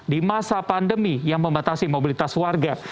di masa pandemi yang membatasi mobilitas warga